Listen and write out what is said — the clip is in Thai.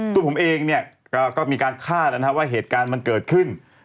ตัวผมเองเนี่ยก็มีการคาดนะครับว่าเหตุการณ์มันเกิดขึ้น